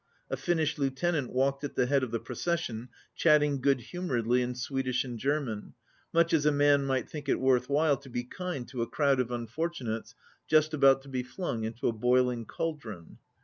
A Finnish lieutenant walked at the head of the procession, chatting good humouredly in Swedish and German, much as a man might think it worth while to be kind to a crowd of unfortunates just about to be flung into a boiling cauldron.